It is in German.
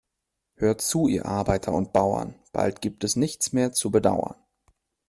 Hört zu, ihr Arbeiter und Bauern, bald gibt es nichts mehr zu bedauern.